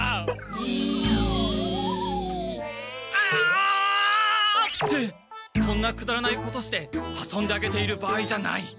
じっ。ああ！ってこんなくだらないことして遊んであげているばあいじゃない。